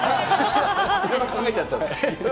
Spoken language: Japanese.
いろいろ考えちゃった。